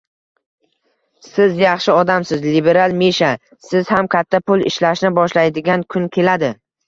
Siz yaxshi odamsiz, liberal Misha! Siz ham katta pul ishlashni boshlaydigan kun keladi!